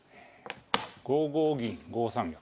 ５五銀５三玉。